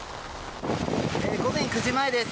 午前９時前です。